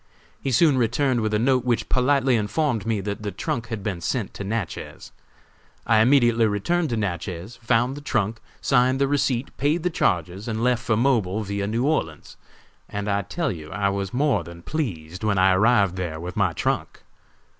He soon returned with a note which politely informed me that the trunk had been sent to Natchez. I immediately returned to Natchez, found the trunk, signed the receipt, paid the charges and left for Mobile via New Orleans, and I tell you I was more than pleased when I arrived there with my trunk.